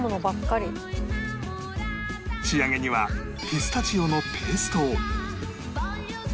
仕上げにはピスタチオのペーストを